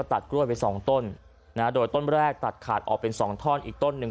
ตัดกล้วยไปสองต้นนะฮะโดยต้นแรกตัดขาดออกเป็นสองท่อนอีกต้นหนึ่ง